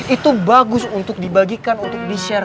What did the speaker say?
itu bagus untuk dibagikan untuk di share